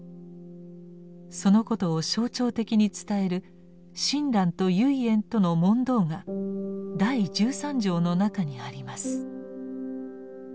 そのことを象徴的に伝える親鸞と唯円との問答が第十三条の中にあります。